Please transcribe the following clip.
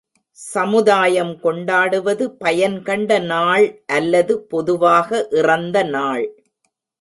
சமுதாயம் கொண்டாடுவது பயன் கண்ட நாள் அல்லது பொதுவாக இறந்த நாள்.